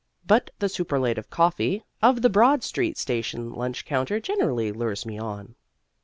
But the superlative coffee of the Broad Street Station lunch counter generally lures me on.